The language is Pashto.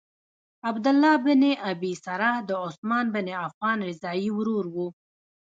عبدالله بن ابی سرح د عثمان بن عفان رضاعی ورور وو.